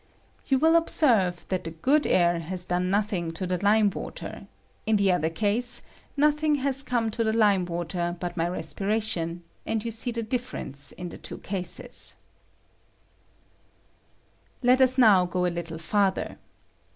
Yoa will observe that the good air has done nothing to the lime water; in the other case, nothing has come to the lime water but my respiration, and you see the difference in the two cases, Let us now go a little farther.